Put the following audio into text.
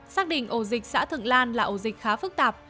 xác định ổ dịch xã thượng lan là ổ dịch khá phức tạp